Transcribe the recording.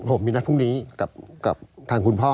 ผมมีนัดพรุ่งนี้กับทางคุณพ่อ